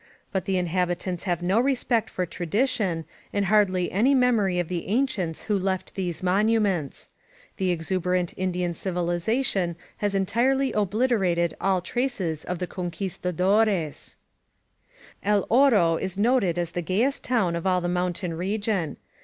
But the inhabitants have no respect for tradition, and hardly any memory of the ancients who left these monuments. The exuberant Indian civilization has entirely obliterated all traces of the conquistador €8. El Oro is noted as the gayest town of all the moun tain region.